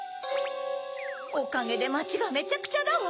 おかげでまちがめちゃくちゃだわ！